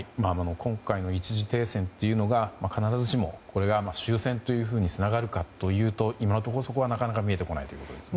今回の一時停戦というのが必ずしもこれが終戦というふうにつながるかというと今のところ、そこはなかなか見えてこないということですね。